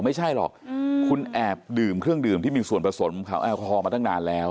ไม่ใช่หรอกคุณแอบดื่มเครื่องดื่มที่มีส่วนผสมของแอลกอฮอลมาตั้งนานแล้ว